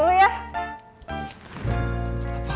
pocot dulu ya